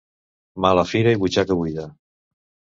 Mala fira i butxaca buida.